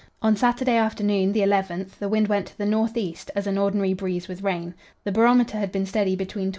On Saturday afternoon, the 11th, the wind went to the north east, as an ordinary breeze with rain. The barometer had been steady between 29.